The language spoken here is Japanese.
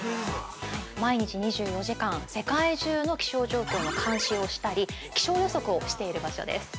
毎日２４時間、世界中の気象状況の監視をしたり、気象予測をしている場所です。